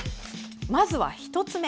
まずは１つ目。